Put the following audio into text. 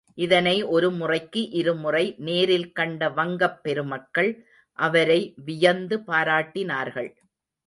இதனை ஒரு முறைக்கு இருமுறை நேரில் கண்ட வங்கப் பெருமக்கள் அவரை வியந்து பாராட்டினார்கள்.